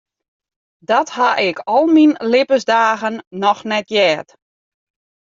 Dat ha ik al myn libbensdagen noch net heard.